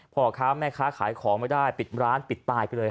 พ่อค้าแม่ค้าขายของไม่ได้ปิดร้านปิดตายไปเลย